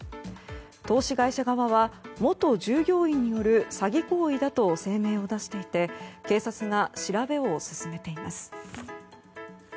投資会社側は元従業員による詐欺行為だと声明を出していて警察が調べを進めています。